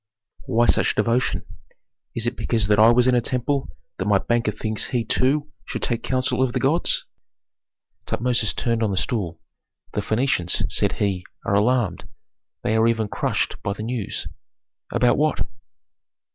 "Why such devotion? Is it because that I was in a temple that my banker thinks he too should take counsel of the gods?" Tutmosis turned on the stool. "The Phœnicians," said he, "are alarmed; they are even crushed by the news " "About what?"